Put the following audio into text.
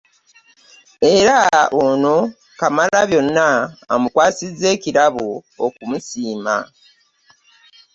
Era ono Kamalabyonna amukwasizza ekirabo okumusiima.